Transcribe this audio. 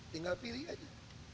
tinggal pilih aja